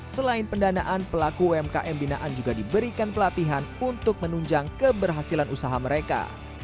selain pendanaan pelaku umkm binaan juga diberikan pelatihan untuk menunjang keberhasilan usaha mereka